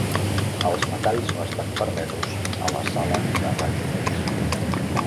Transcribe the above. Els metalls no estan permesos a la sala de rajos X.